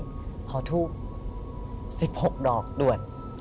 จุดทูปสิบหกดอกด่วน